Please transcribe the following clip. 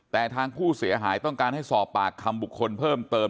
แต่ทางผู้เสียหายต้องการให้สอบปากคำบุคคลเพิ่มเติม